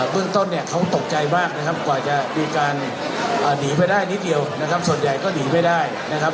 เรื่องต้นเนี่ยเขาตกใจมากนะครับกว่าจะมีการหนีไปได้นิดเดียวนะครับส่วนใหญ่ก็หนีไม่ได้นะครับ